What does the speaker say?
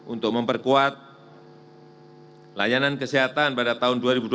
untuk memperkuat layanan kesehatan pada tahun dua ribu dua puluh